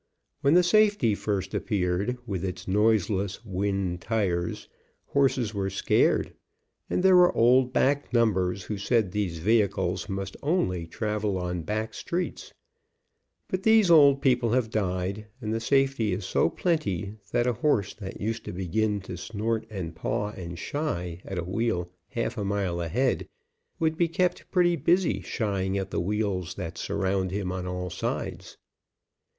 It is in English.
When the safety first appeared, with its noiseless wind tires, horses were scared, and there were old back numbers who said these vehicles must only travel on back streets, but these old people have died, and the safety is so plenty that a horse that used to begin to snort and paw and shy at a wheel half a mile ahead, would be kept pretty busy shying at the wheels that surround him on all sides.